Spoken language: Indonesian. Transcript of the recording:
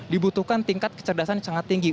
dibutuhkan tingkat kecerdasan yang sangat tinggi